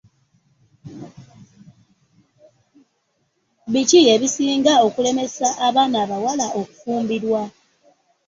Biki ebisinze okulemesa abaana abawala okufumbirwa.